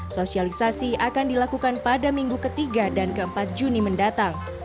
sosialisasi akan dilakukan pada minggu ketiga dan keempat juni mendatang